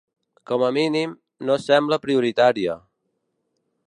Com a mínim, no sembla prioritària.